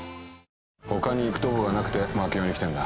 他に行くとこがなくて槙尾に来てんだ。